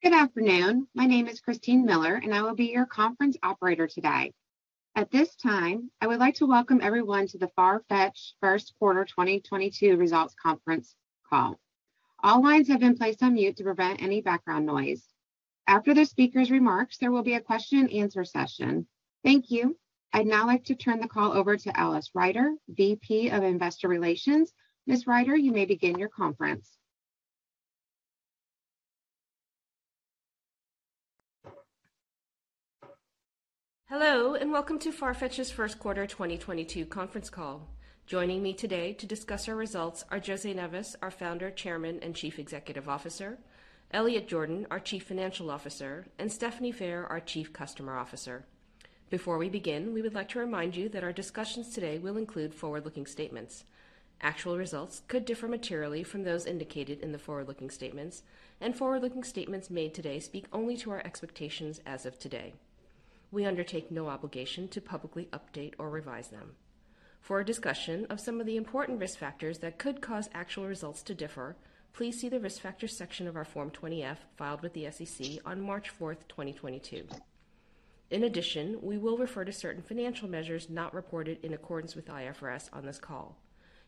Good afternoon. My name is Christine Miller, and I will be your conference operator today. At this time, I would like to welcome everyone to the Farfetch Q1 2022 Results Conference Call. All lines have been placed on mute to prevent any background noise. After the speaker's remarks, there will be a question and answer session. Thank you. I'd now like to turn the call over to Alice Ryder, VP of Investor Relations. Ms. Ryder, you may begin your conference. Hello, and welcome to Farfetch's Q1 2022 conference call. Joining me today to discuss our results are José Neves, our Founder, Chairman, and CEO, Elliot Jordan, our CFO, and Stephanie Phair, our Chief Customer Officer. Before we begin, we would like to remind you that our discussions today will include forward-looking statements. Actual results could differ materially from those indicated in the forward-looking statements, and forward-looking statements made today speak only to our expectations as of today. We undertake no obligation to publicly update or revise them. For a discussion of some of the important risk factors that could cause actual results to differ, please see the risk factors section of our Form 20-F, filed with the SEC on 4 March 2022. In addition, we will refer to certain financial measures not reported in accordance with IFRS on this call.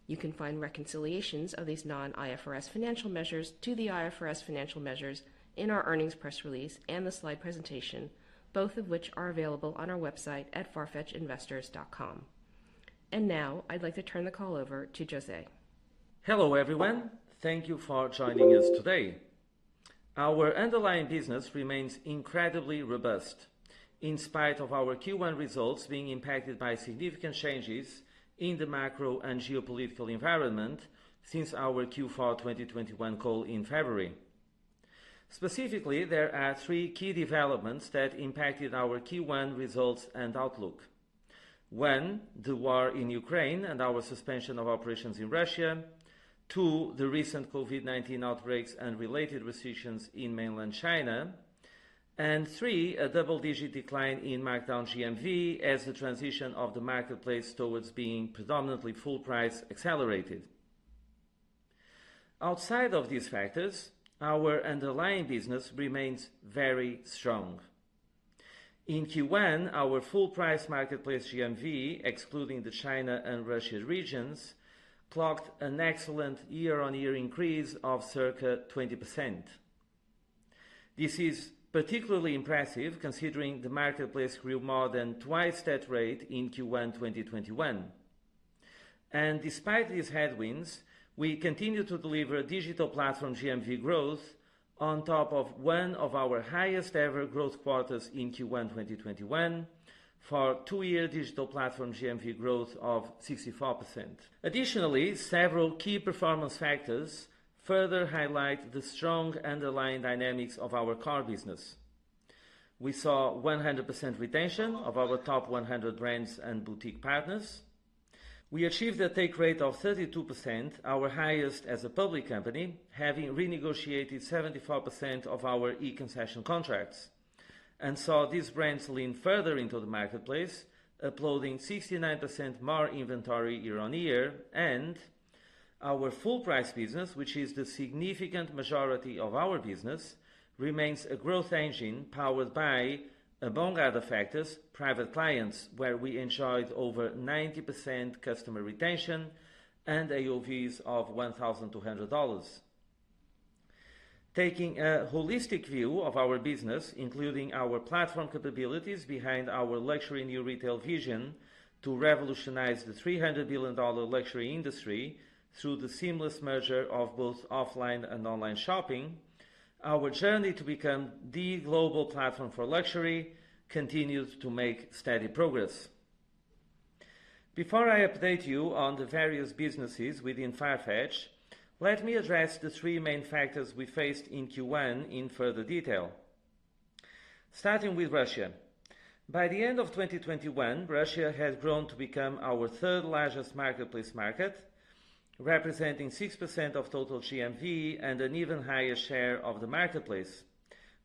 You can find reconciliations of these non-IFRS financial measures to the IFRS financial measures in our earnings press release and the slide presentation, both of which are available on our website at farfetchinvestors.com. Now I'd like to turn the call over to José. Hello, everyone. Thank you for joining us today. Our underlying business remains incredibly robust in spite of our Q1 results being impacted by significant changes in the macro and geopolitical environment since our Q4 2021 call in February. Specifically, there are three key developments that impacted our Q1 results and outlook. One, the war in Ukraine and our suspension of operations in Russia. Two, the recent COVID-19 outbreaks and related recessions in mainland China. Three, a double-digit decline in markdown GMV as the transition of the marketplace towards being predominantly full price accelerated. Outside of these factors, our underlying business remains very strong. In Q1, our full price marketplace GMV, excluding the China and Russia regions, clocked an excellent year-on-year increase of circa 20%. This is particularly impressive considering the marketplace grew more than twice that rate in Q1 2021. Despite these headwinds, we continue to deliver digital platform GMV growth on top of one of our highest ever growth quarters in Q1 2021 for two-year digital platform GMV growth of 64%. Additionally, several key performance factors further highlight the strong underlying dynamics of our core business. We saw 100% retention of our top 100 brands and boutique partners. We achieved a take rate of 32%, our highest as a public company, having renegotiated 74% of our e-concession contracts and saw these brands lean further into the marketplace, uploading 69% more inventory year-on-year. Our full price business, which is the significant majority of our business, remains a growth engine powered by, among other factors, private clients, where we enjoyed over 90% customer retention and AOV of $1,200. Taking a holistic view of our business, including our platform capabilities behind our luxury new retail vision to revolutionize the $300 billion luxury industry through the seamless merger of both offline and online shopping, our journey to become the global platform for luxury continues to make steady progress. Before I update you on the various businesses within Farfetch, let me address the three main factors we faced in Q1 in further detail. Starting with Russia. By the end of 2021, Russia had grown to become our third largest marketplace market, representing 6% of total GMV and an even higher share of the marketplace,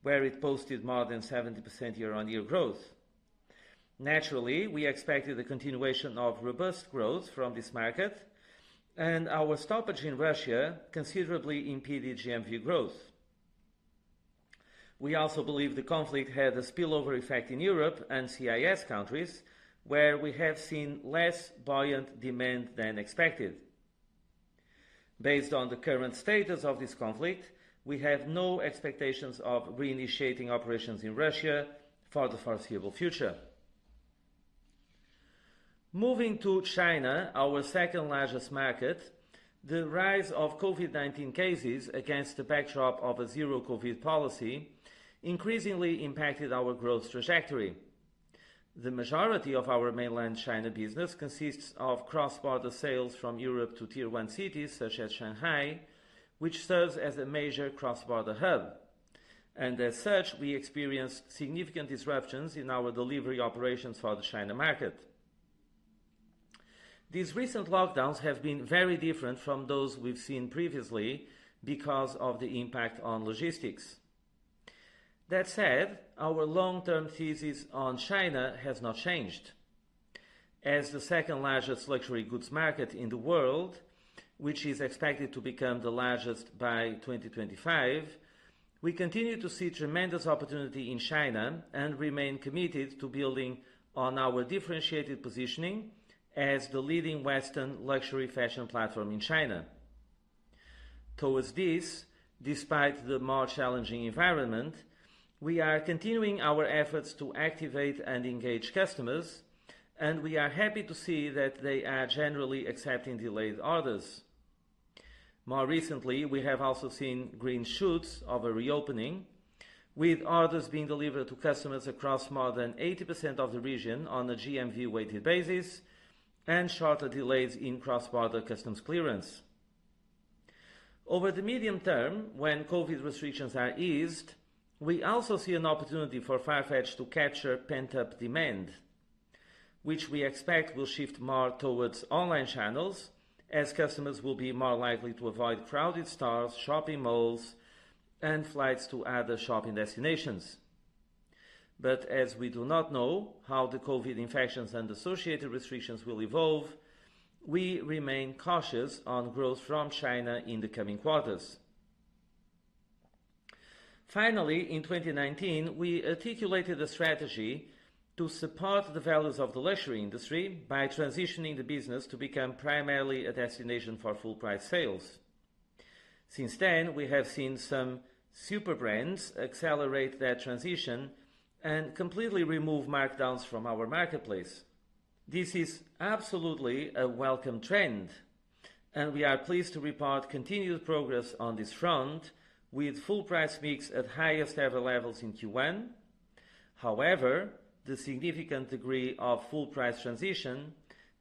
where it posted more than 70% year-on-year growth. Naturally, we expected a continuation of robust growth from this market, and our stoppage in Russia considerably impeded GMV growth. We also believe the conflict had a spillover effect in Europe and CIS countries, where we have seen less buoyant demand than expected. Based on the current status of this conflict, we have no expectations of reinitiating operations in Russia for the foreseeable future. Moving to China, our second largest market, the rise of COVID-19 cases against the backdrop of a zero COVID policy increasingly impacted our growth trajectory. The majority of our mainland China business consists of cross-border sales from Europe to tier one cities such as Shanghai, which serves as a major cross-border hub. We experienced significant disruptions in our delivery operations for the China market. These recent lockdowns have been very different from those we've seen previously because of the impact on logistics. That said, our long-term thesis on China has not changed. As the second largest luxury goods market in the world, which is expected to become the largest by 2025, we continue to see tremendous opportunity in China and remain committed to building on our differentiated positioning as the leading Western luxury fashion platform in China. Towards this, despite the more challenging environment, we are continuing our efforts to activate and engage customers, and we are happy to see that they are generally accepting delayed orders. More recently, we have also seen green shoots of a reopening, with orders being delivered to customers across more than 80% of the region on a GMV-weighted basis and shorter delays in cross-border customs clearance. Over the medium term, when COVID-19 restrictions are eased, we also see an opportunity for Farfetch to capture pent-up demand, which we expect will shift more towards online channels as customers will be more likely to avoid crowded stores, shopping malls, and flights to other shopping destinations. As we do not know how the COVID-19 infections and associated restrictions will evolve, we remain cautious on growth from China in the coming quarters. Finally, in 2019, we articulated a strategy to support the values of the luxury industry by transitioning the business to become primarily a destination for full price sales. Since then, we have seen some super brands accelerate their transition and completely remove markdowns from our marketplace. This is absolutely a welcome trend, and we are pleased to report continued progress on this front with full price mix at highest ever levels in Q1. However, the significant degree of full price transition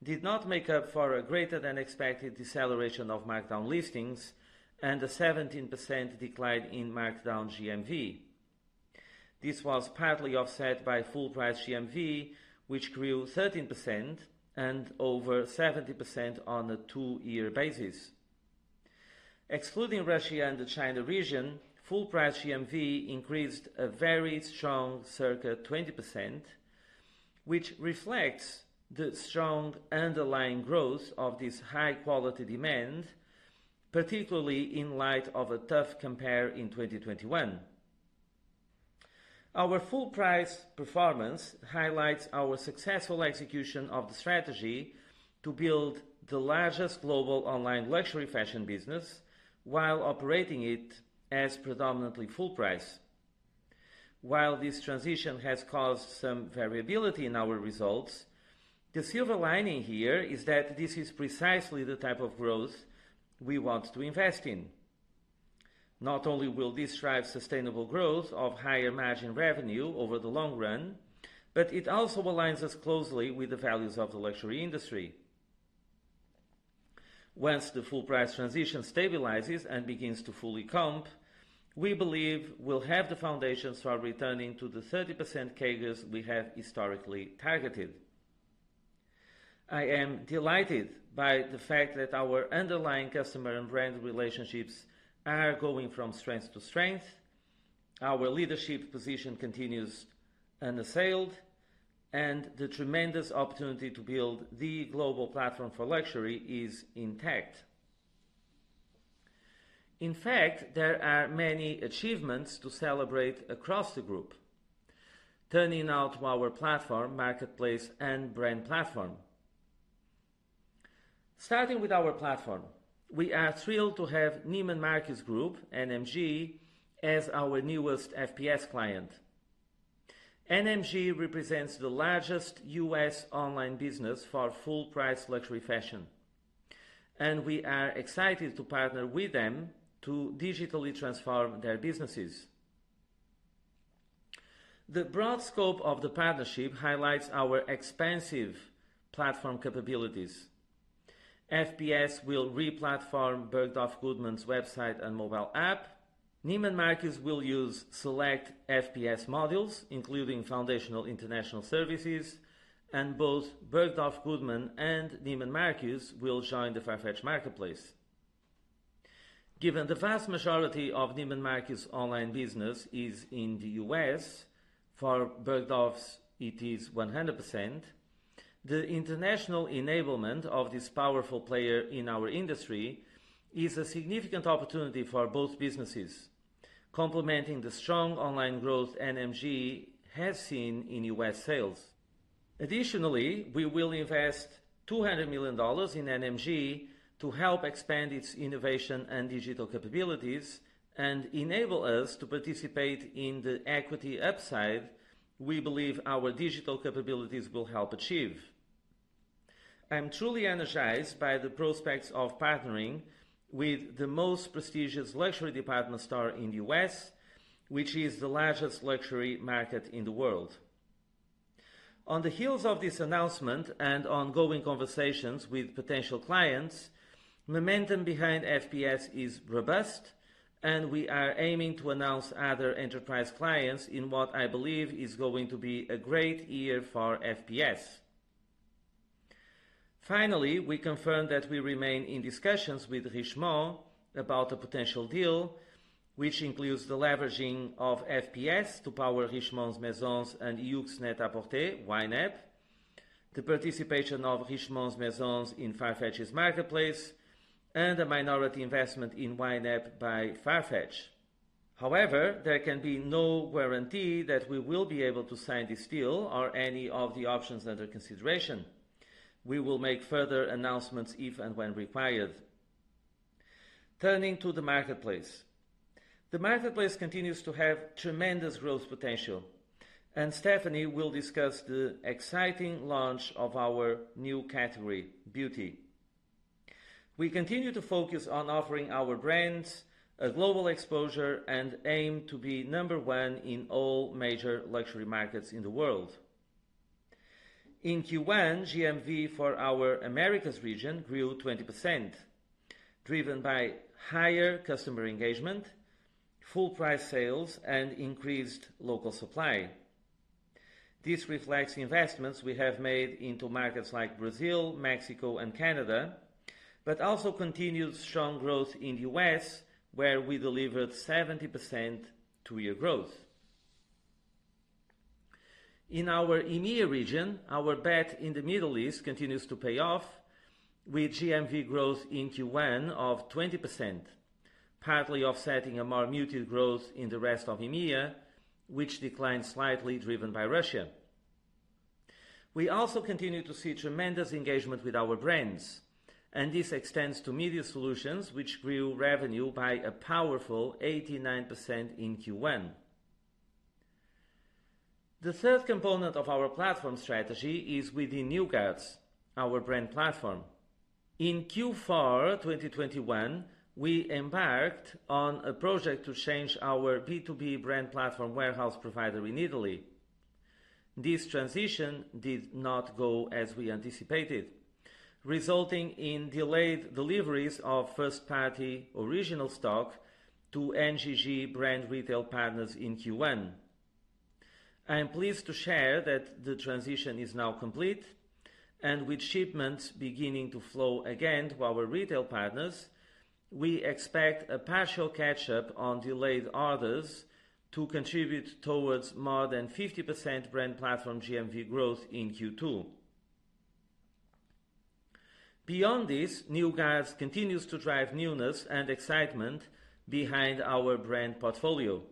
did not make up for a greater than expected deceleration of markdown listings and a 17% decline in markdown GMV. This was partly offset by full price GMV, which grew 13% and over 70% on a two-year basis. Excluding Russia and the China region, full price GMV increased a very strong circa 20%, which reflects the strong underlying growth of this high quality demand, particularly in light of a tough compare in 2021. Our full price performance highlights our successful execution of the strategy to build the largest global online luxury fashion business while operating it as predominantly full price. While this transition has caused some variability in our results, the silver lining here is that this is precisely the type of growth we want to invest in. Not only will this drive sustainable growth of higher margin revenue over the long run, but it also aligns us closely with the values of the luxury industry. Once the full price transition stabilizes and begins to fully comp, we believe we'll have the foundations for returning to the 30% CAGRs we have historically targeted. I am delighted by the fact that our underlying customer and brand relationships are going from strength to strength. Our leadership position continues unassailed, and the tremendous opportunity to build the global platform for luxury is intact. In fact, there are many achievements to celebrate across the group, turning now to our platform, marketplace, and brand platform. Starting with our platform, we are thrilled to have Neiman Marcus Group, NMG, as our newest FPS client. NMG represents the largest U.S. online business for full price luxury fashion, and we are excited to partner with them to digitally transform their businesses. The broad scope of the partnership highlights our expansive platform capabilities. FPS will re-platform Bergdorf Goodman's website and mobile app. Neiman Marcus will use select FPS modules, including foundational international services, and both Bergdorf Goodman and Neiman Marcus will join the Farfetch marketplace. Given the vast majority of Neiman Marcus' online business is in the U.S., for Bergdorf's it is 100%, the international enablement of this powerful player in our industry is a significant opportunity for both businesses, complementing the strong online growth NMG has seen in U.S. Sales. Additionally, we will invest $200 million in NMG to help expand its innovation and digital capabilities and enable us to participate in the equity upside we believe our digital capabilities will help achieve. I'm truly energized by the prospects of partnering with the most prestigious luxury department store in the U.S., which is the largest luxury market in the world. On the heels of this announcement and ongoing conversations with potential clients, momentum behind FPS is robust, and we are aiming to announce other enterprise clients in what I believe is going to be a great year for FPS. Finally, we confirmed that we remain in discussions with Richemont about a potential deal, which includes the leveraging of FPS to power Richemont's Maisons and YOOX NET-A-PORTER, YNAP. The participation of Richemont's Maisons in Farfetch's marketplace, and a minority investment in YNAP by Farfetch. However, there can be no guarantee that we will be able to sign this deal or any of the options under consideration. We will make further announcements if and when required. Turning to the marketplace. The marketplace continues to have tremendous growth potential, and Stephanie will discuss the exciting launch of our new category, beauty. We continue to focus on offering our brands a global exposure and aim to be number one in all major luxury markets in the world. In Q1, GMV for our Americas region grew 20%, driven by higher customer engagement, full price sales, and increased local supply. This reflects the investments we have made into markets like Brazil, Mexico and Canada, but also continued strong growth in the U.S., where we delivered 70% two-year growth. In our EMEA region, our bet in the Middle East continues to pay off, with GMV growth in Q1 of 20%, partly offsetting a more muted growth in the rest of EMEA, which declined slightly driven by Russia. We also continue to see tremendous engagement with our brands, and this extends to Media Solutions which grew revenue by a powerful 89% in Q1. The third component of our platform strategy is within New Guards, our brand platform. In Q4 2021, we embarked on a project to change our B2B brand platform warehouse provider in Italy. This transition did not go as we anticipated, resulting in delayed deliveries of first-party original stock to NGG brand retail partners in Q1. I am pleased to share that the transition is now complete, and with shipments beginning to flow again to our retail partners, we expect a partial catch-up on delayed orders to contribute towards more than 50% brand platform GMV growth in Q2. Beyond this, New Guards continues to drive newness and excitement behind our brand portfolio.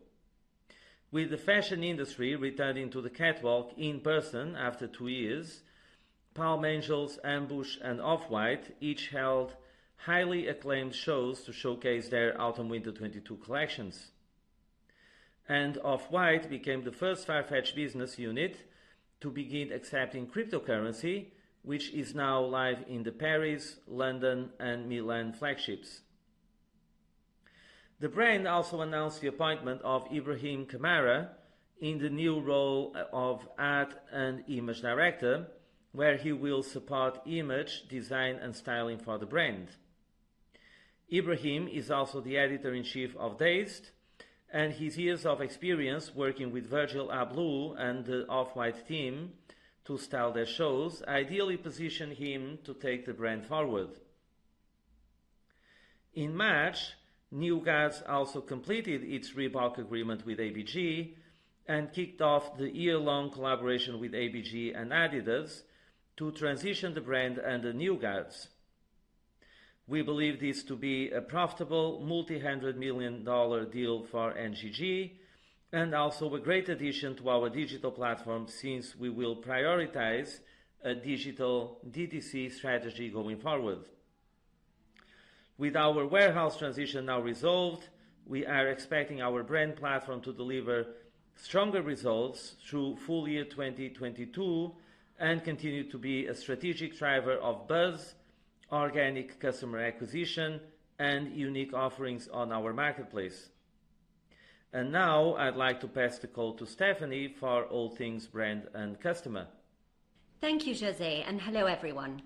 With the fashion industry returning to the catwalk in person after two years, Palm Angels, Ambush, and Off-White each held highly acclaimed shows to showcase their autumn/winter 2022 collections. Off-White became the first Farfetch business unit to begin accepting cryptocurrency, which is now live in the Paris, London, and Milan flagships. The brand also announced the appointment of Ibrahim Kamara in the new role of art and image director, where he will support image design and styling for the brand. Ibrahim is also the editor-in-chief of Dazed, and his years of experience working with Virgil Abloh and the Off-White team to style their shows ideally position him to take the brand forward. In March, New Guards also completed its Reebok agreement with ABG and kicked off the year-long collaboration with ABG and Adidas to transition the brand under New Guards. We believe this to be a profitable $multi-hundred million deal for NGG and also a great addition to our digital platform since we will prioritize a digital D2C strategy going forward. With our warehouse transition now resolved, we are expecting our brand platform to deliver stronger results through full year 2022 and continue to be a strategic driver of buzz, organic customer acquisition, and unique offerings on our marketplace. Now I'd like to pass the call to Stephanie for all things brand and customer. Thank you, José, and hello, everyone.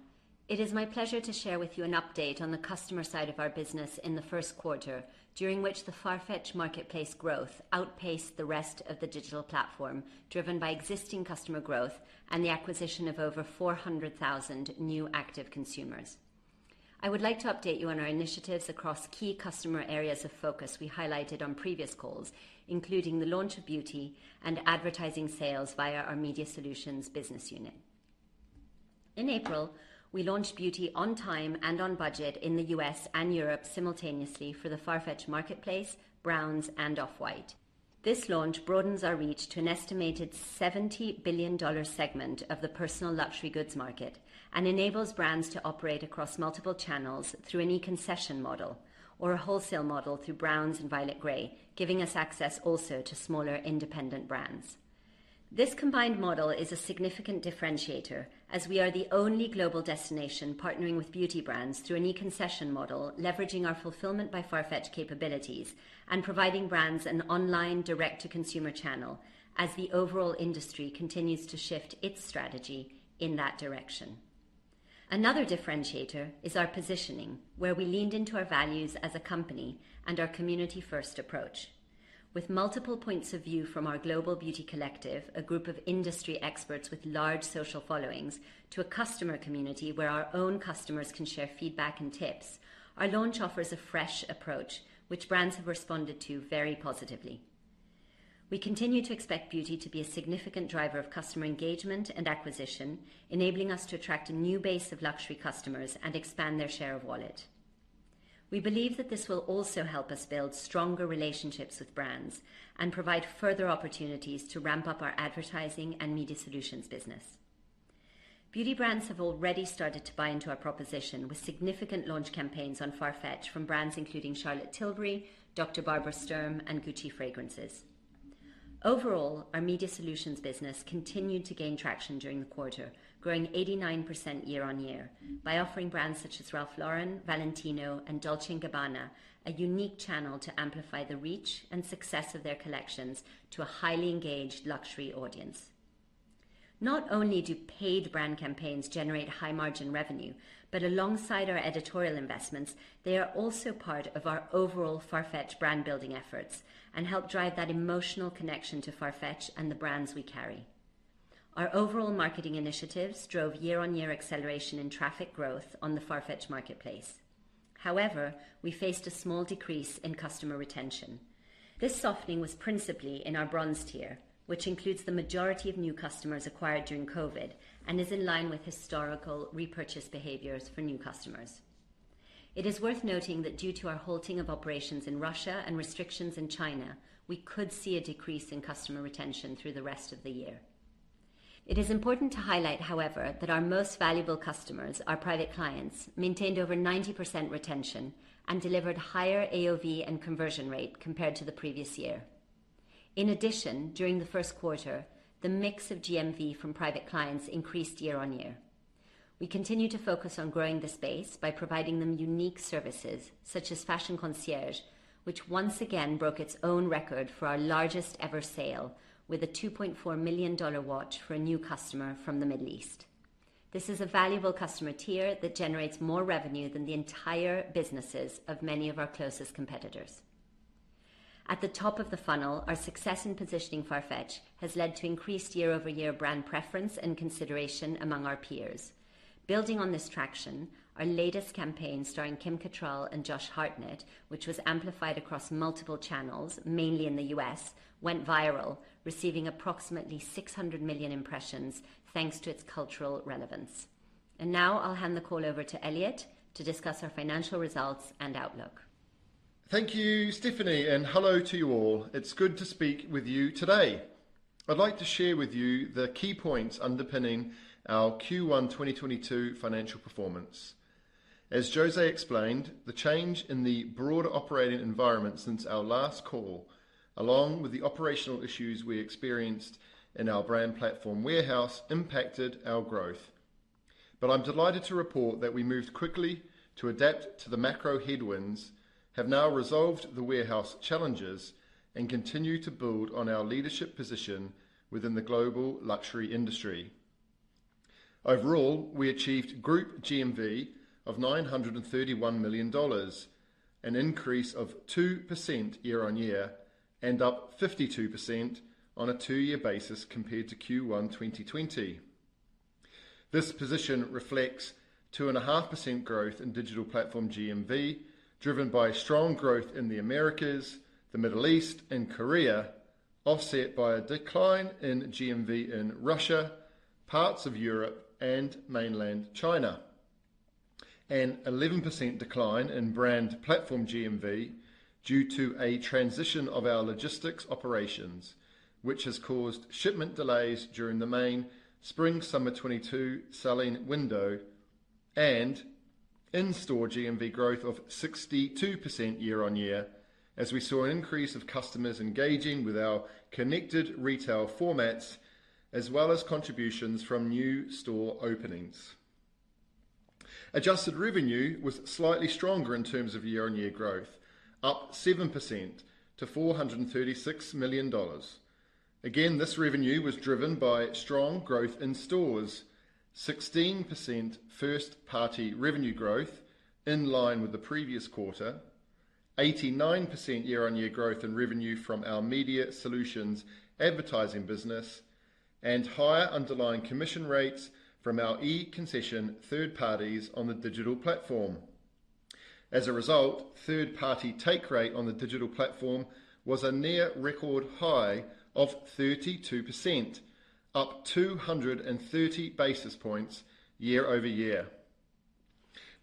It is my pleasure to share with you an update on the customer side of our business in the Q1, during which the Farfetch marketplace growth outpaced the rest of the digital platform, driven by existing customer growth and the acquisition of over 400,000 new active consumers. I would like to update you on our initiatives across key customer areas of focus we highlighted on previous calls, including the launch of beauty and advertising sales via our Media Solutions business unit. In April, we launched beauty on time and on budget in the U.S. and Europe simultaneously for the Farfetch marketplace, Browns, and Off-White. This launch broadens our reach to an estimated $70 billion segment of the personal luxury goods market and enables brands to operate across multiple channels through an e-concession model or a wholesale model through Browns and Violet Grey, giving us access also to smaller independent brands. This combined model is a significant differentiator as we are the only global destination partnering with beauty brands through an e-concession model, leveraging our Fulfilment by Farfetch capabilities and providing brands an online direct-to-consumer channel as the overall industry continues to shift its strategy in that direction. Another differentiator is our positioning, where we leaned into our values as a company and our community-first approach. With multiple points of view from our global beauty collective, a group of industry experts with large social followings, to a customer community where our own customers can share feedback and tips, our launch offers a fresh approach which brands have responded to very positively. We continue to expect beauty to be a significant driver of customer engagement and acquisition, enabling us to attract a new base of luxury customers and expand their share of wallet. We believe that this will also help us build stronger relationships with brands and provide further opportunities to ramp up our advertising and media solutions business. Beauty brands have already started to buy into our proposition with significant launch campaigns on Farfetch from brands including Charlotte Tilbury, Dr. Barbara Sturm, and Gucci fragrances. Overall, our Media Solutions business continued to gain traction during the quarter, growing 89% year-on-year by offering brands such as Ralph Lauren, Valentino, and Dolce & Gabbana a unique channel to amplify the reach and success of their collections to a highly engaged luxury audience. Not only do paid brand campaigns generate high margin revenue, but alongside our editorial investments, they are also part of our overall Farfetch brand-building efforts and help drive that emotional connection to Farfetch and the brands we carry. Our overall marketing initiatives drove year-on-year acceleration in traffic growth on the Farfetch marketplace. However, we faced a small decrease in customer retention. This softening was principally in our bronze tier, which includes the majority of new customers acquired during COVID and is in line with historical repurchase behaviors for new customers. It is worth noting that due to our halting of operations in Russia and restrictions in China, we could see a decrease in customer retention through the rest of the year. It is important to highlight, however, that our most valuable customers, our private clients, maintained over 90% retention and delivered higher AOV and conversion rate compared to the previous year. In addition, during the Q1, the mix of GMV from private clients increased year-on-year. We continue to focus on growing this base by providing them unique services such as Fashion Concierge, which once again broke its own record for our largest ever sale with a $2.4 million watch for a new customer from the Middle East. This is a valuable customer tier that generates more revenue than the entire businesses of many of our closest competitors. At the top of the funnel, our success in positioning Farfetch has led to increased year-on-year brand preference and consideration among our peers. Building on this traction, our latest campaign starring Kim Cattrall and Josh Hartnett, which was amplified across multiple channels, mainly in the U.S., went viral, receiving approximately 600 million impressions, thanks to its cultural relevance. Now I'll hand the call over to Elliot to discuss our financial results and outlook. Thank you, Stephanie, and hello to you all. It's good to speak with you today. I'd like to share with you the key points underpinning our Q1 2022 financial performance. As José explained, the change in the broader operating environment since our last call, along with the operational issues we experienced in our brand platform warehouse, impacted our growth. I'm delighted to report that we moved quickly to adapt to the macro headwinds, have now resolved the warehouse challenges, and continue to build on our leadership position within the global luxury industry. Overall, we achieved group GMV of $931 million, an increase of 2% year-on-year, and up 52% on a two-year basis compared to Q1 2020. This position reflects 2.5% growth in digital platform GMV, driven by strong growth in the Americas, the Middle East, and Korea, offset by a decline in GMV in Russia, parts of Europe, and mainland China. An 11% decline in brand platform GMV due to a transition of our logistics operations, which has caused shipment delays during the main spring/summer 2022 selling window and in-store GMV growth of 62% year-on-year as we saw an increase of customers engaging with our connected retail formats, as well as contributions from new store openings. Adjusted revenue was slightly stronger in terms of year-on-year growth, up 7% to $436 million. This revenue was driven by strong growth in stores, 16% first-party revenue growth in line with the previous quarter, 89% year-on-year growth in revenue from our media solutions advertising business, and higher underlying commission rates from our e-concession third parties on the digital platform. As a result, third-party take rate on the digital platform was a near record high of 32%, up 230 basis points year-on-year.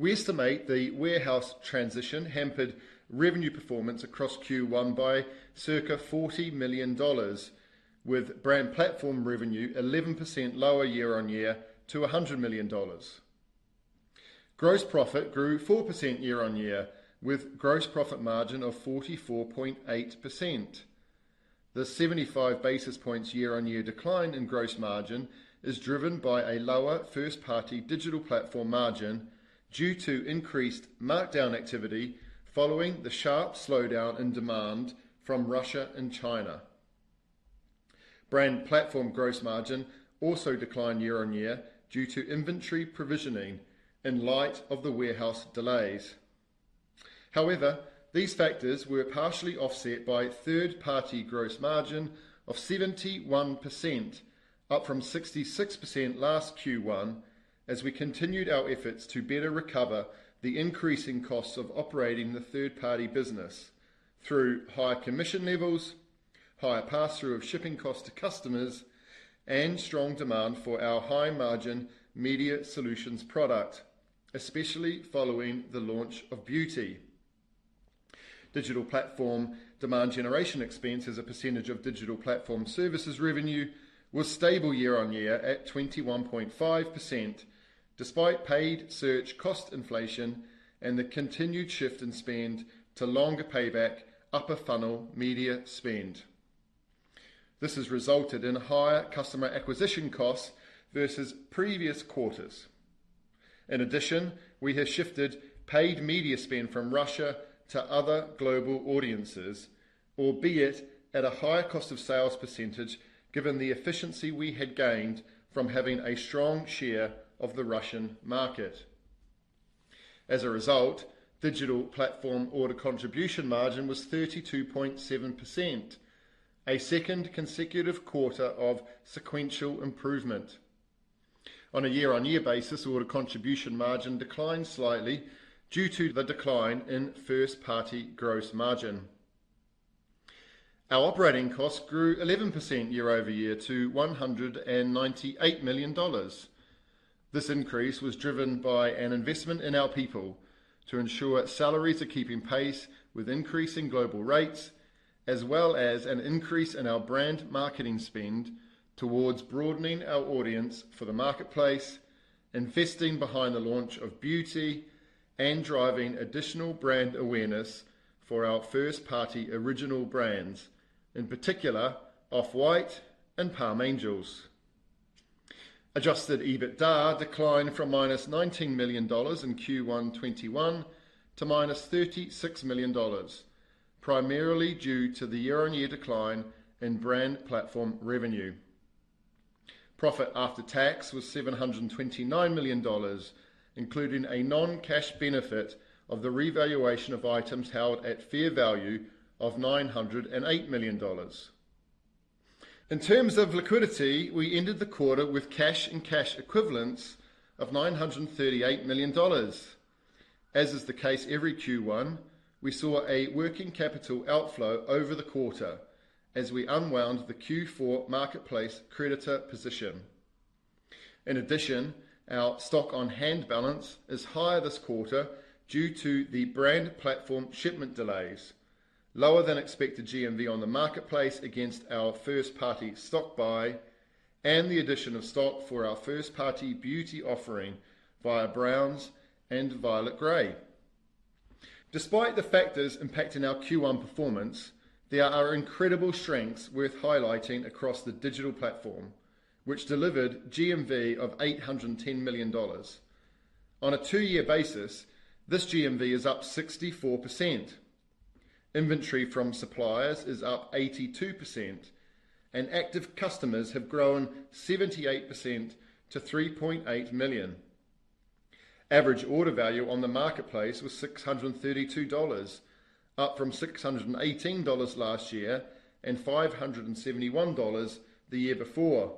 We estimate the warehouse transition hampered revenue performance across Q1 by circa $40 million, with brand platform revenue 11% lower year-on-year to $100 million. Gross profit grew 4% year-on-year with gross profit margin of 44.8%. The 75 basis points year-on-year decline in gross margin is driven by a lower first-party digital platform margin due to increased markdown activity following the sharp slowdown in demand from Russia and China. Brand platform gross margin also declined year-on-year due to inventory provisioning in light of the warehouse delays. However, these factors were partially offset by third-party gross margin of 71%, up from 66% last Q1 as we continued our efforts to better recover the increasing costs of operating the third-party business through higher commission levels, higher pass-through of shipping costs to customers, and strong demand for our high-margin Media Solutions product, especially following the launch of Beauty. Digital platform demand generation expense as a percentage of digital platform services revenue was stable year-on-year at 21.5%, despite paid search cost inflation and the continued shift in spend to longer payback upper funnel media spend. This has resulted in higher customer acquisition costs versus previous quarters. In addition, we have shifted paid media spend from Russia to other global audiences, albeit at a higher cost of sales percentage, given the efficiency we had gained from having a strong share of the Russian market. As a result, digital platform order contribution margin was 32.7%, a second consecutive quarter of sequential improvement. On a year-on-year basis, order contribution margin declined slightly due to the decline in first party gross margin. Our operating costs grew 11% YoY to $198 million. This increase was driven by an investment in our people to ensure salaries are keeping pace with increasing global rates, as well as an increase in our brand marketing spend towards broadening our audience for the marketplace, investing behind the launch of Beauty, and driving additional brand awareness for our first-party original brands, in particular Off-White and Palm Angels. Adjusted EBITDA declined from -$19 million in Q1 2021 to -$36 million, primarily due to the year-on-year decline in brand platform revenue. Profit after tax was $729 million, including a non-cash benefit of the revaluation of items held at fair value of $908 million. In terms of liquidity, we ended the quarter with cash and cash equivalents of $938 million. As is the case every Q1, we saw a working capital outflow over the quarter as we unwound the Q4 marketplace creditor position. In addition, our stock on hand balance is higher this quarter due to the brand platform shipment delays, lower than expected GMV on the marketplace against our first party stock buy, and the addition of stock for our first party beauty offering via Browns and Violet Grey. Despite the factors impacting our Q1 performance, there are incredible strengths worth highlighting across the digital platform, which delivered GMV of $810 million. On a two-year basis, this GMV is up 64%. Inventory from suppliers is up 82%, and active customers have grown 78% to 3.8 million. Average order value on the marketplace was $632, up from $618 last year and $571 the year before.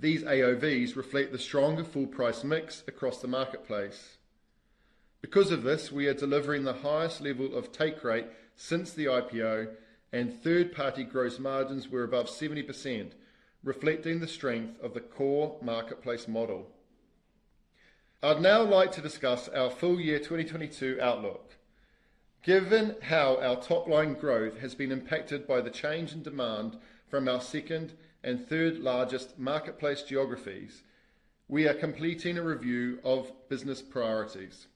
These AOVs reflect the stronger full price mix across the marketplace. Because of this, we are delivering the highest level of take rate since the IPO and third party gross margins were above 70%, reflecting the strength of the core marketplace model. I'd now like to discuss our full year 2022 outlook. Given how our top-line growth has been impacted by the change in demand from our second and third largest marketplace geographies, we are completing a review of business priorities.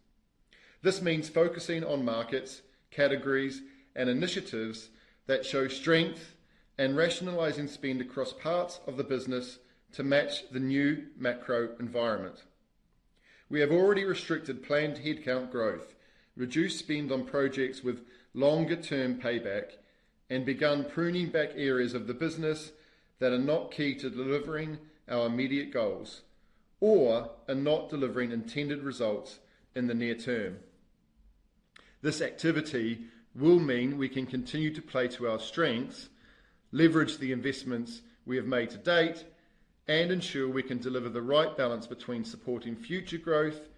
This means focusing on markets, categories, and initiatives that show strength and rationalizing spend across parts of the business to match the new macro environment. We have already restricted planned headcount growth, reduced spend on projects with longer term payback, and begun pruning back areas of the business that are not key to delivering our immediate goals or are not delivering intended results in the near term. This activity will mean we can continue to play to our strengths, leverage the investments we have made to date, and ensure we can deliver the right balance between supporting future growth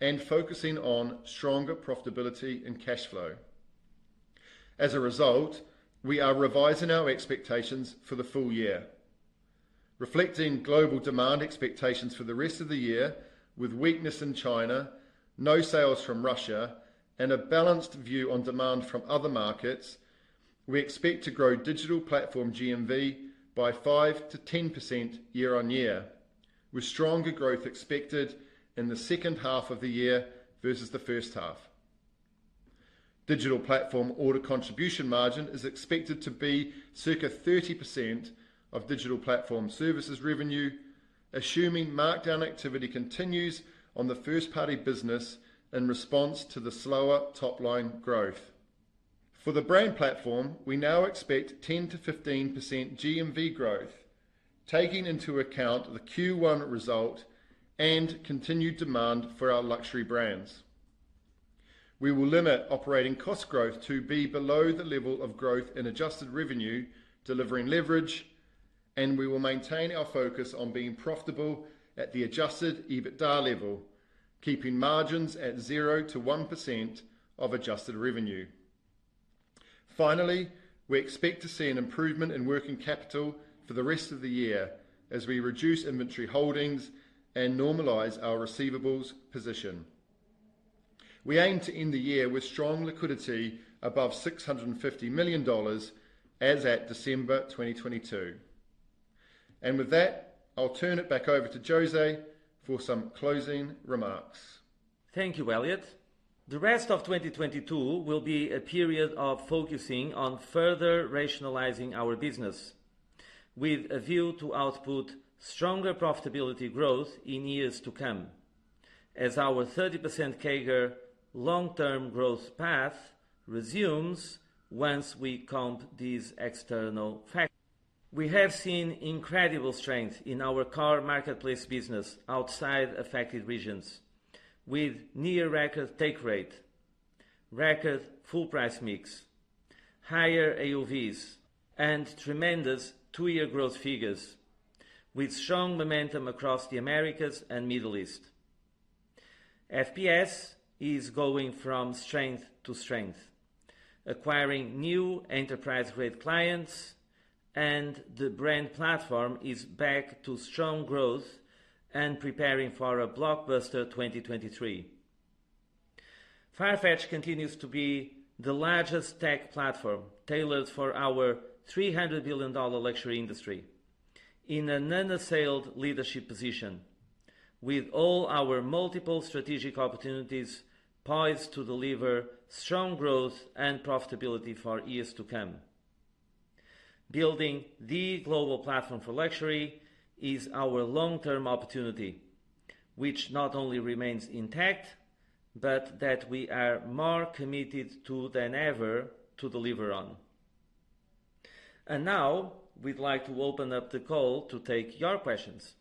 and focusing on stronger profitability and cash flow. As a result, we are revising our expectations for the full year. Reflecting global demand expectations for the rest of the year with weakness in China, no sales from Russia, and a balanced view on demand from other markets, we expect to grow digital platform GMV by 5% to 10% year-on-year, with stronger growth expected in the second half of the year versus the first half. Digital platform order contribution margin is expected to be circa 30% of digital platform services revenue. Assuming markdown activity continues on the first party business in response to the slower top-line growth. For the brand platform, we now expect 10% to 15% GMV growth, taking into account the Q1 result and continued demand for our luxury brands. We will limit operating cost growth to be below the level of growth in adjusted revenue, delivering leverage, and we will maintain our focus on being profitable at the adjusted EBITDA level, keeping margins at 0% to 1% of adjusted revenue. Finally, we expect to see an improvement in working capital for the rest of the year as we reduce inventory holdings and normalize our receivables position. We aim to end the year with strong liquidity above $650 million as at December 2022. With that, I'll turn it back over to José for some closing remarks. Thank you, Elliot. The rest of 2022 will be a period of focusing on further rationalizing our business with a view to output stronger profitability growth in years to come as our 30% CAGR long-term growth path resumes once we count these external factors. We have seen incredible strength in our core marketplace business outside affected regions with near-record take rate, record full price mix, higher AOVs, and tremendous two-year growth figures with strong momentum across the Americas and Middle East. FPS is going from strength to strength, acquiring new enterprise-grade clients, and the brand platform is back to strong growth and preparing for a blockbuster 2023. Farfetch continues to be the largest tech platform tailored for our $300 billion luxury industry in an unassailed leadership position. With all our multiple strategic opportunities poised to deliver strong growth and profitability for years to come. Building the global platform for luxury is our long-term opportunity, which not only remains intact, but that we are more committed to than ever to deliver on. Now we'd like to open up the call to take your questions.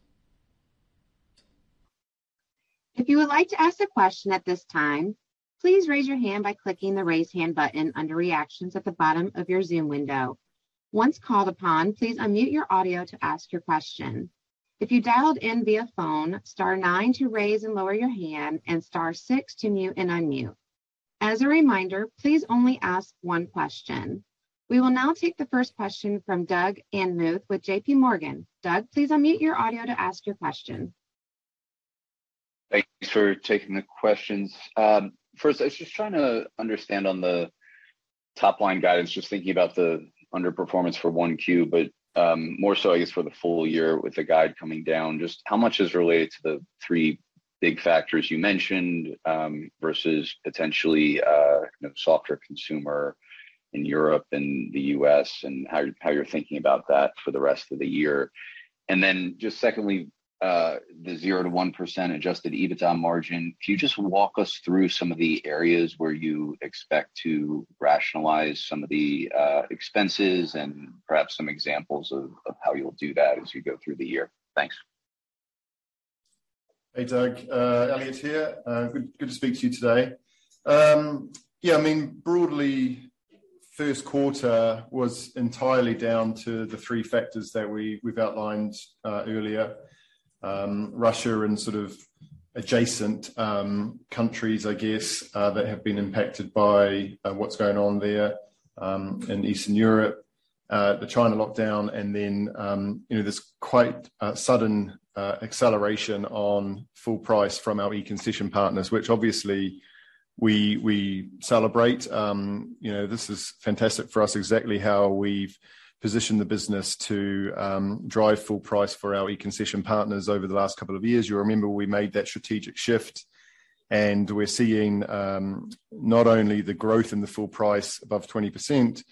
If you would like to ask a question at this time, please raise your hand by clicking the Raise Hand button under Reactions at the bottom of your Zoom window. Once called upon, please unmute your audio to ask your question. If you dialed in via phone, star nine to raise and lower your hand and star six to mute and unmute. As a reminder, please only ask one question. We will now take the first question from Doug Anmuth with JPMorgan. Doug, please unmute your audio to ask your question. Thanks for taking the questions. First, I was just trying to understand on the top-line guidance, just thinking about the underperformance for Q1, but more so I guess for the full year with the guide coming down, just how much is related to the three big factors you mentioned versus potentially you know softer consumer in Europe and the U.S. and how you're thinking about that for the rest of the year. Then just secondly, the 0% to 1% adjusted EBITDA margin. Can you just walk us through some of the areas where you expect to rationalize some of the expenses and perhaps some examples of how you'll do that as you go through the year? Thanks. Hey, Doug. Elliot here. Good to speak to you today. Yeah, I mean, broadly, Q1 was entirely down to the three factors that we've outlined earlier. Russia and sort of adjacent countries, That have been impacted by what's going on there in Eastern Europe, the China lockdown, and then, this quite sudden acceleration on full price from our e-concession partners, which obviously we celebrate. This is fantastic for us, exactly how we've positioned the business to drive full price for our e-concession partners over the last couple of years. You'll remember we made that strategic shift, and we're seeing not only the growth in the full price above 20%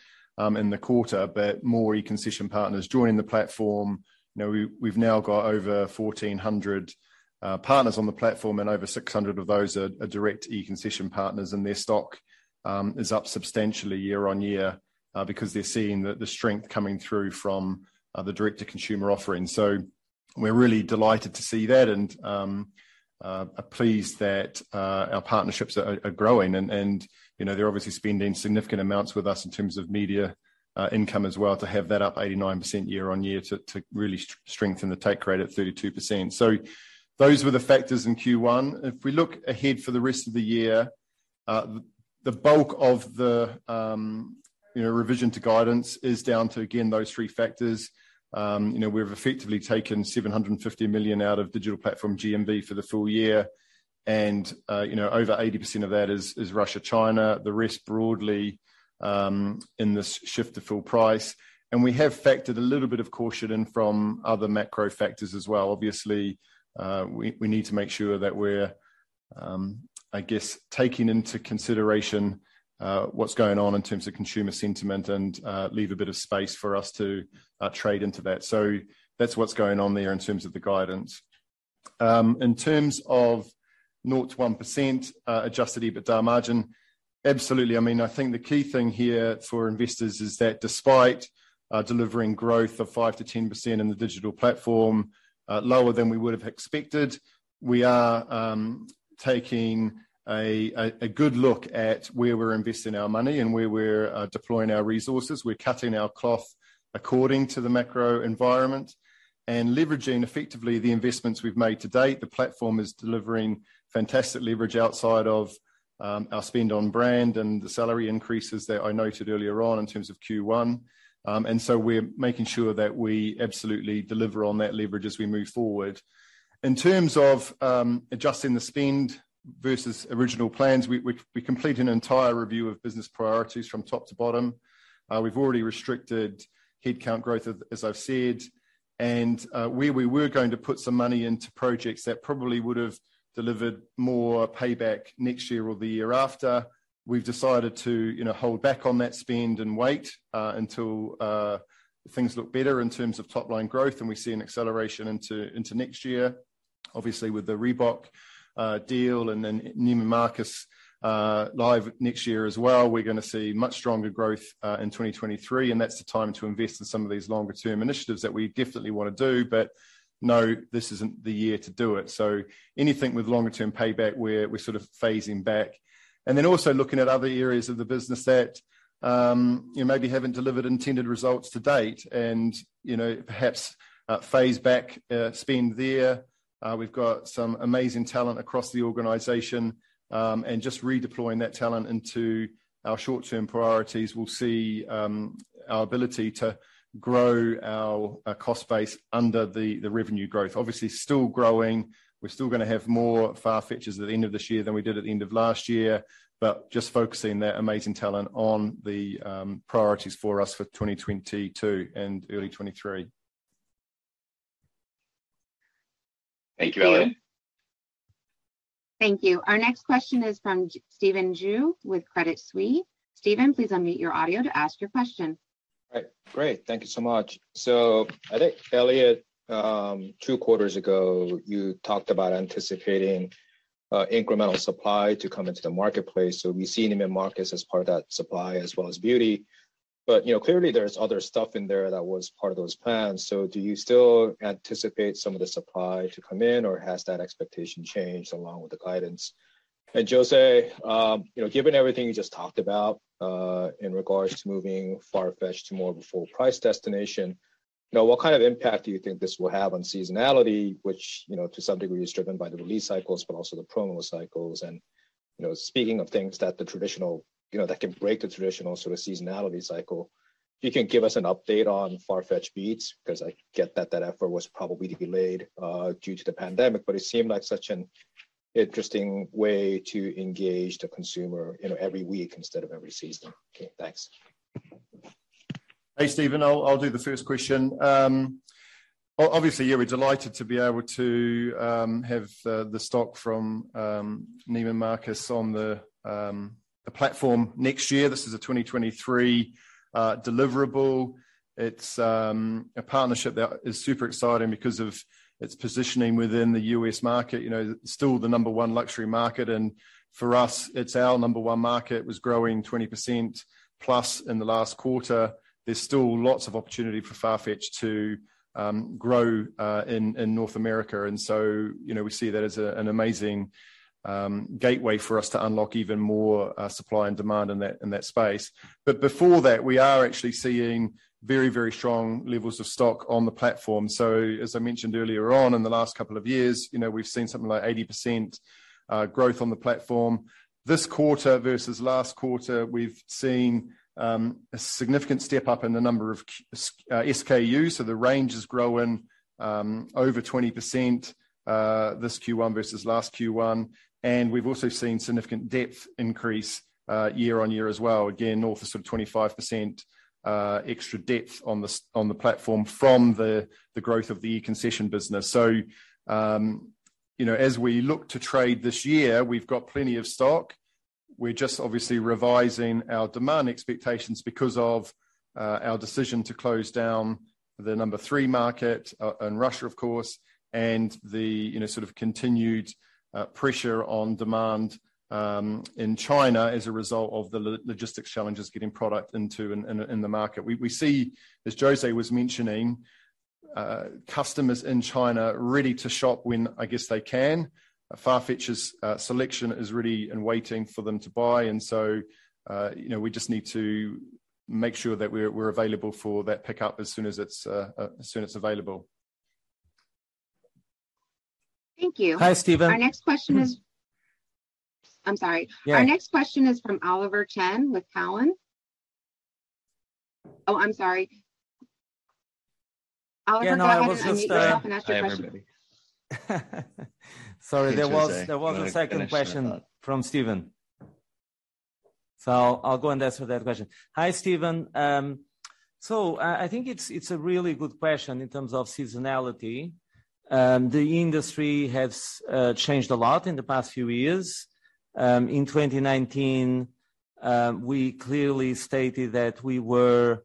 in the quarter, but more e-concession partners joining the platform. We've now got over 1,400 partners on the platform, and over 600 of those are direct e-concession partners, and their stock is up substantially year-on-year because they're seeing the strength coming through from the direct-to-consumer offering. We're really delighted to see that and are pleased that our partnerships are growing and, they're obviously spending significant amounts with us in terms of media income as well to have that up 89% year-on-year to really strengthen the take rate at 32%. Those were the factors in Q1. If we look ahead for the rest of the year, the bulk of the revision to guidance is down to, again, those three factors. We've effectively taken $750 million out of digital platform GMV for the full year and, over 80% of that is Russia, China, the rest broadly in this shift to full price. We have factored a little bit of caution in from other macro factors as well. Obviously, we need to make sure that we're taking into consideration what's going on in terms of consumer sentiment and leave a bit of space for us to trade into that. That's what's going on there in terms of the guidance. In terms of 0% to 1% adjusted EBITDA margin, absolutely. I mean, the key thing here for investors is that despite delivering growth of 5% to 10% in the digital platform, lower than we would've expected, we are taking a good look at where we're investing our money and where we're deploying our resources. We're cutting our cloth according to the macro environment and leveraging effectively the investments we've made to date. The platform is delivering fantastic leverage outside of our spend on brand and the salary increases that I noted earlier on in terms of Q1. We're making sure that we absolutely deliver on that leverage as we move forward. In terms of adjusting the spend versus original plans, we completed an entire review of business priorities from top to bottom. We've already restricted headcount growth as I've said. where we were going to put some money into projects that probably would've delivered more payback next year or the year after, we've decided to hold back on that spend and wait until things look better in terms of top line growth, and we see an acceleration into next year. Obviously with the Reebok deal and then Neiman Marcus live next year as well, we're gonna see much stronger growth in 2023, and that's the time to invest in some of these longer term initiatives that we definitely wanna do. No, this isn't the year to do it. Anything with longer term payback, we're sort of phasing back. Looking at other areas of the business that, maybe haven't delivered intended results to date and, you know, perhaps pace back spend there. We've got some amazing talent across the organization. Just redeploying that talent into our short-term priorities, we'll see our ability to grow our cost base under the revenue growth. Obviously still growing. We're still gonna have more Farfetchers at the end of this year than we did at the end of last year. Just focusing that amazing talent on the priorities for us for 2022 and early 2023. Thank you, Elliot. Thank you. Our next question is from Stephen Ju with Credit Suisse. Stephen, please unmute your audio to ask your question. All right. Great. Thank you so much. I think, Elliot, two quarters ago, you talked about anticipating incremental supply to come into the marketplace. We see Neiman Marcus as part of that supply as well as Beauty, but, you know, clearly there's other stuff in there that was part of those plans. Do you still anticipate some of the supply to come in, or has that expectation changed along with the guidance? José, given everything you just talked about in regards to moving Farfetch to more of a full price destination, you know, what kind of impact do you think this will have on seasonality, which to some degree is driven by the release cycles, but also the promo cycles? You know, speaking of things that can break the traditional sort of seasonality cycle, you can give us an update on Farfetch Beat? 'Cause I get that that effort was probably delayed due to the pandemic, but it seemed like such an interesting way to engage the consumer week instead of every season. Okay, thanks. Hey, Steven. I'll do the first question. Obviously, yeah, we're delighted to be able to have the stock from Neiman Marcus on the platform next year. This is a 2023 deliverable. It's a partnership that is super exciting because of its positioning within the U.S. market. Still the number one luxury market, and for us, it's our number one market. It was growing 20% plus in the last quarter. There's still lots of opportunity for Farfetch to grow in North America. We see that as an amazing gateway for us to unlock even more supply and demand in that space. Actually, we're seeing very, very strong levels of stock on the platform. As I mentioned earlier on, in the last couple of years, we've seen something like 80% growth on the platform. This quarter versus last quarter, we've seen a significant step up in the number of SKUs. The range is growing over 20% this Q1 versus last Q1, and we've also seen significant depth increase year-over-year as well. Again, north of sort of 25% extra depth on the platform from the growth of the e-concession business. As we look to trade this year, we've got plenty of stock. We're just obviously revising our demand expectations because of our decision to close down the number three market in Russia, of course, and the, you know, sort of continued pressure on demand in China as a result of the logistics challenges getting product into the market. We see, as José was mentioning, customers in China ready to shop when I guess they can. Farfetch's selection is ready and waiting for them to buy and so, we just need to make sure that we're available for that pickup as soon as it's available. Thank you. Hi, Stephen. I'm sorry. Yeah. Our next question is from Oliver Chen with Cowen. Oh, I'm sorry. Oliver Chen, unmute yourself and ask your question. Yeah, no, I was just. Hi, everybody. Sorry. Thanks, José. You want to finish my thought? There was a second question from Stephen. I'll go and answer that question. Hi, Stephen. I think it's a really good question in terms of seasonality. The industry has changed a lot in the past few years. In 2019, we clearly stated that we were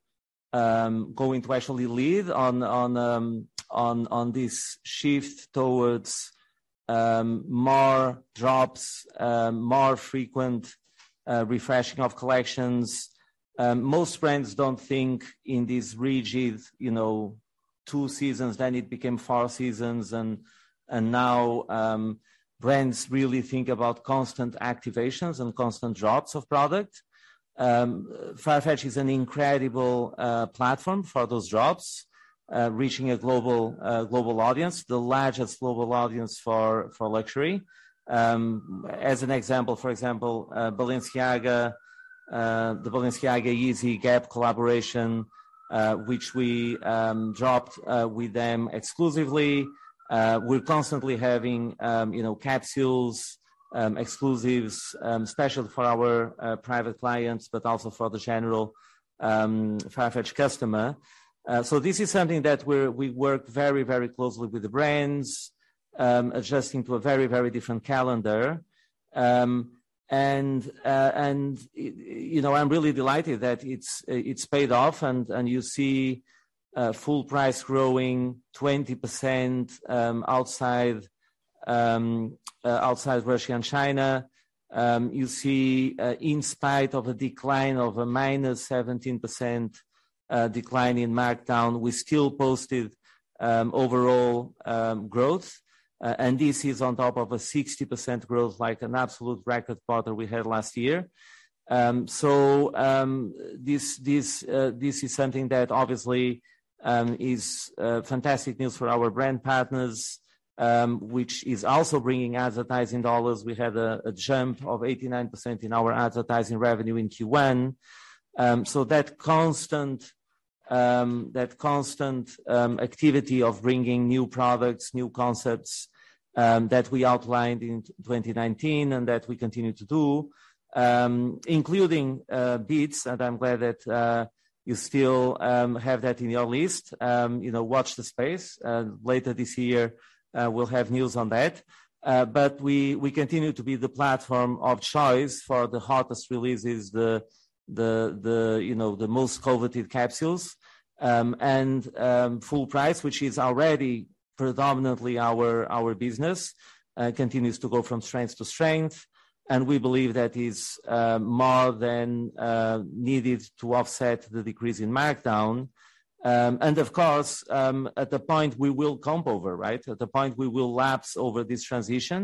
going to actually lead on this shift towards more drops, more frequent refreshing of collections. Most brands don't think in these rigid, you know, two seasons. Then it became four seasons and now, brands really think about constant activations and constant drops of product. Farfetch is an incredible platform for those drops, reaching a global audience, the largest global audience for luxury. As an example, Balenciaga, the Balenciaga Yeezy Gap collaboration, which we dropped with them exclusively. We're constantly having, capsules, exclusives, special for our private clients, but also for the general Farfetch customer. This is something that we work very, very closely with the brands, adjusting to a very, very different calendar. I'm really delighted that it's paid off and you see full price growing 20% outside Russia and China. You see, in spite of a -17% decline in markdown, we still posted overall growth. This is on top of 60% growth, like an absolute record quarter we had last year. This is something that obviously is fantastic news for our brand partners, which is also bringing advertising $. We had a jump of 89% in our advertising revenue in Q1. That constant activity of bringing new products, new concepts that we outlined in 2019 and that we continue to do, including Beat, and I'm glad that you still have that in your list. Watch the space. Later this year, we'll have news on that. We continue to be the platform of choice for the hottest releases, the most coveted capsules. Full price, which is already predominantly our business, continues to go from strength to strength. We believe that is more than needed to offset the decrease in markdown. Of course, at a point we will lap over this transition,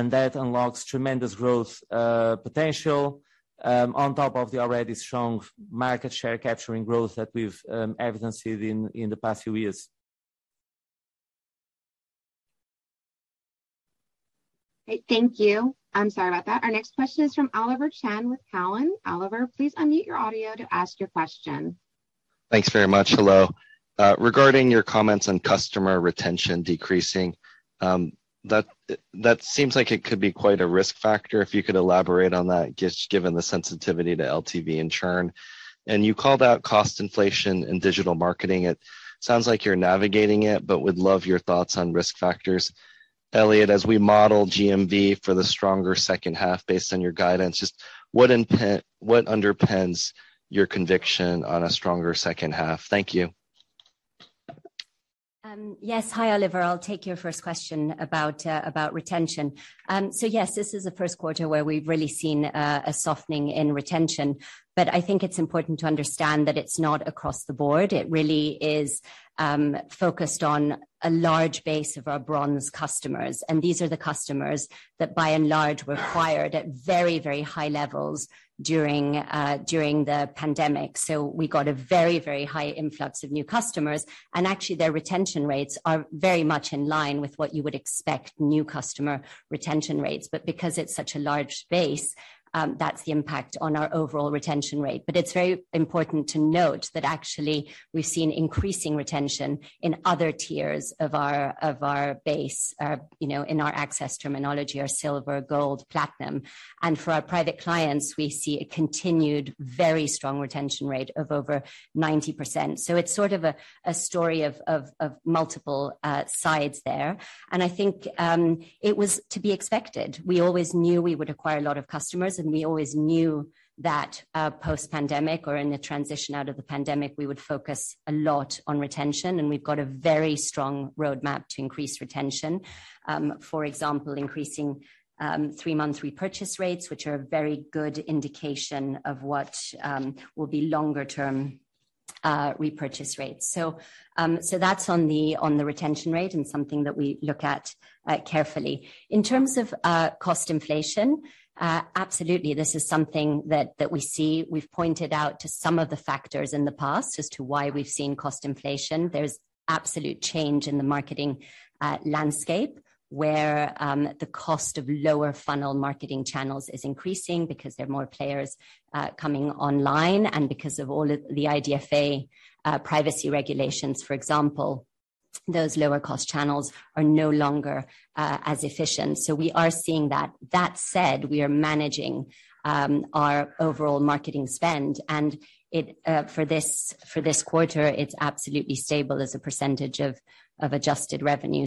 and that unlocks tremendous growth potential on top of the already strong market share capturing growth that we've evidenced in the past few years. Great. Thank you. I'm sorry about that. Our next question is from Oliver Chen with Cowen. Oliver, please unmute your audio to ask your question. Thanks very much. Hello. Regarding your comments on customer retention decreasing, that seems like it could be quite a risk factor. If you could elaborate on that given the sensitivity to LTV and churn. You called out cost inflation in digital marketing. It sounds like you're navigating it, but would love your thoughts on risk factors. Elliot, as we model GMV for the stronger second half based on your guidance, just what underpins your conviction on a stronger second half? Thank you. Yes. Hi, Oliver. I'll take your first question about retention. Yes, this is the Q1 where we've really seen a softening in retention. I think it's important to understand that it's not across the board. It really is focused on a large base of our bronze customers. These are the customers that by and large were acquired at very, very high levels during the pandemic. We got a very, very high influx of new customers, and actually their retention rates are very much in line with what you would expect new customer retention rates. Because it's such a large base, that's the impact on our overall retention rate. It's very important to note that actually we've seen increasing retention in other tiers of our base, you know, in our access terminology are silver, gold, platinum. For our private clients, we see a continued very strong retention rate of over 90%. It's sort of a story of multiple sides there. I think it was to be expected. We always knew we would acquire a lot of customers, and we always knew that post-pandemic or in the transition out of the pandemic, we would focus a lot on retention, and we've got a very strong roadmap to increase retention. For example, increasing three-month repurchase rates, which are a very good indication of what will be longer term repurchase rates. That's on the retention rate and something that we look at carefully. In terms of cost inflation, absolutely this is something that we see. We've pointed out to some of the factors in the past as to why we've seen cost inflation. There's absolute change in the marketing landscape, where the cost of lower funnel marketing channels is increasing because there are more players coming online and because of all of the IDFA privacy regulations, for example. Those lower cost channels are no longer as efficient. We are seeing that. That said, we are managing our overall marketing spend. For this quarter, it's absolutely stable as a percentage of adjusted revenue.